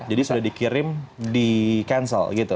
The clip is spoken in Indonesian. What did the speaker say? sudah dikirim di cancel gitu